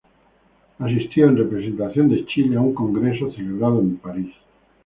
Asistió en representación de Chile a un congreso celebrado en París.